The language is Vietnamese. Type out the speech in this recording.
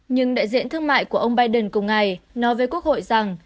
nhưng đại diện thương mại của ông biden cùng ngày nói với quốc hội rằng